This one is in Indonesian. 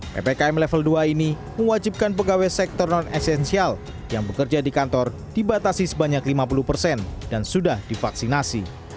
ppkm level dua ini mewajibkan pegawai sektor non esensial yang bekerja di kantor dibatasi sebanyak lima puluh persen dan sudah divaksinasi